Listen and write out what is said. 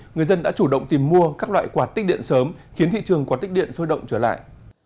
người dân đã chủ động tìm mua các loại quạt tích điện sớm khiến thị trường quạt tích điện sôi động trở lại